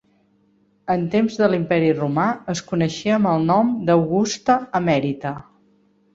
En temps de l'Imperi Romà es coneixia amb el nom d'Augusta Emèrita.